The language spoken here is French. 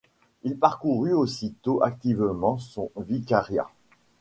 Il parcourut aussitôt activement son vicariat.